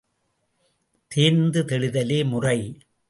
தேர்ந்து தெளிதலே முறை!